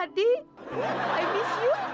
sahih mittbele fungsoalnya